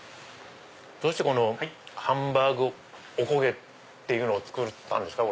どうしてハンバーグ・おこげを作ったんですか？